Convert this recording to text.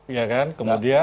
iya kan kemudian